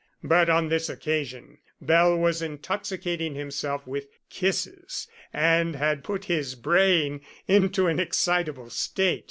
But on this occasion Bell was intoxicating himself with kisses and had put his brain into an excitable state.